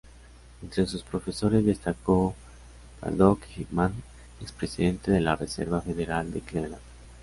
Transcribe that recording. Entre sus profesores destacó W. Braddock Hickman, expresidente de la Reserva Federal de Cleveland.